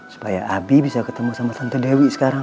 supaya abi bisa ketemu sama tante dewi sekarang